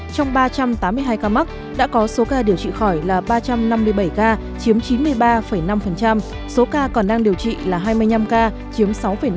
trong ba trăm tám mươi hai ca mắc đã có số ca điều trị khỏi là ba trăm năm mươi bảy ca chiếm chín mươi ba năm số ca còn đang điều trị là hai mươi năm ca chiếm sáu năm